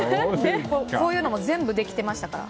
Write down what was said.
こういうのも全部できてましたから。